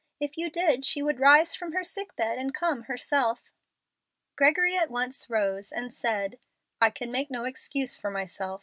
If you did she would rise from her sick bed and come herself." Gregory at once rose and said, "I can make no excuse for myself.